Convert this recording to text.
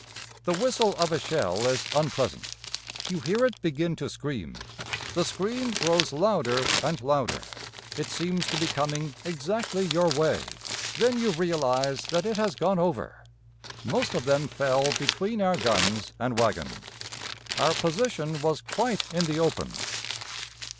The whistle of a shell is unpleasant. You hear it begin to scream; the scream grows louder and louder; it seems to be coming exactly your way; then you realize that it has gone over. Most of them fell between our guns and wagons. Our position was quite in the open.